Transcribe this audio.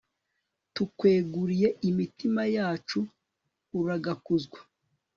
tukweguriye imitima yacu, uragakuzwa